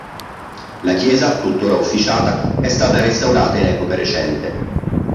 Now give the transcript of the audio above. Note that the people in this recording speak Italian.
La chiesa, tuttora officiata, è stata restaurata in epoca recente.